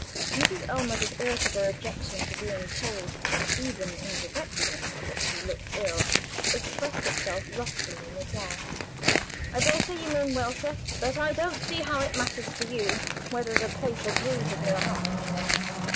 Mrs. Ellmother's irritable objection to being told (even indirectly) that she looked ill, expressed itself roughly in reply. "I daresay you mean well, sir but I don't see how it matters to you whether the place agrees with me or not."